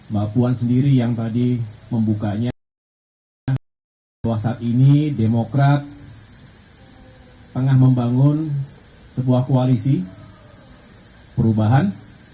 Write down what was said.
mbak puan sendiri yang tadi membukanya bahwa saat ini demokrat tengah membangun sebuah koalisi perubahan